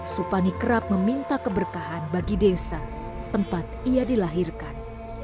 supani kerap meminta keberkahan bagi desa tempat ia dilahirkan